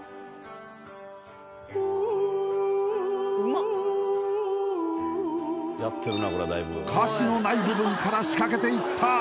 Ｗｏｏ歌詞のない部分から仕掛けていった